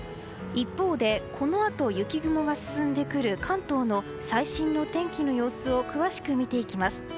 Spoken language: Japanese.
一方でこのあと雪雲が進んでくる関東の最新の天気の様子を詳しく見ていきます。